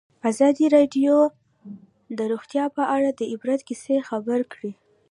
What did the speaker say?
ازادي راډیو د روغتیا په اړه د عبرت کیسې خبر کړي.